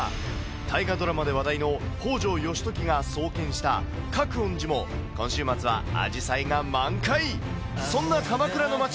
大河ドラマで話題の北条義時が創建した覚園寺も、今週末はアジサイが満開。